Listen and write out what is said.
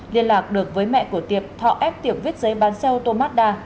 liên lạc được với mẹ của tiệp thọ ép tiệc viết giấy bán xe ô tô mazda